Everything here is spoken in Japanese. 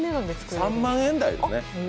３万円台ですね。